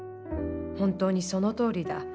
「本当にそのとおりだ。